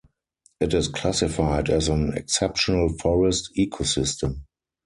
It is classified as an exceptional forest ecosystem.